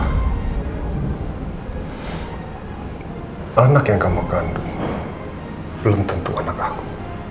anak yang kamu kandung belum tentu anak aku